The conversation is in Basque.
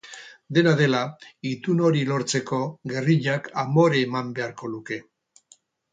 Dena dela, itun hori lortzeko gerrillak amore eman beharko luke.